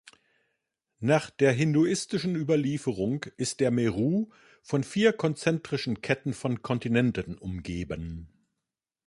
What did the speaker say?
Nach der hinduistischen Überlieferung ist der Meru von vier konzentrischen Ketten von Kontinenten umgeben.